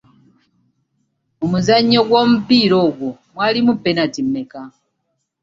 Mu muzannyo gw'omupiira ogwo mwalimu penati mmeka?